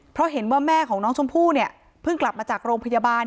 เพราะเห็นว่าแม่ของน้องชมพู่เนี่ยเพิ่งกลับมาจากโรงพยาบาล